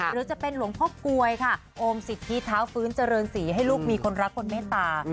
หรือจะเป็นหลวงพ่อกลวยค่ะโอมสิทธิเท้าฟื้นเจริญศรีให้ลูกมีคนรักคนเมตตา